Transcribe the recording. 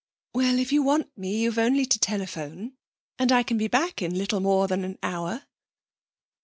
'Well, if you want me you've only to telephone, and I can be back in a little more than an hour.'